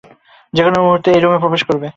যেকোন মুহুর্তে সে এই রুমে প্রবেশ করবে।